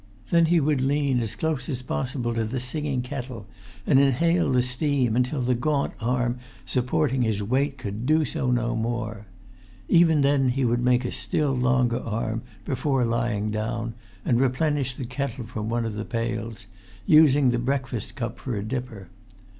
Then he would lean as close as possible to the singing kettle, and inhale the steam until the gaunt arm supporting his weight could do so no more. Even then he would make a still longer arm before lying down, and replenish the kettle from one of the pails, using the breakfast cup for a dipper.